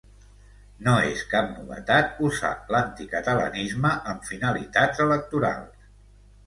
No és cap novetat usar l’anticatalanisme amb finalitats electorals.